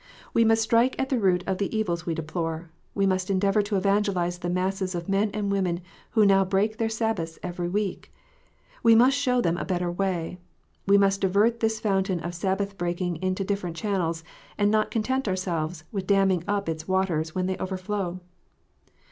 We must strike at the root of the evils we deplore. We must endeavour to evangelize the masses of men and women who now break their Sabbaths every week. We must show them a better way. We must divert this fountain of Sabbath breaking into different channels, and not content ourselves with damming up its waters when they overflow.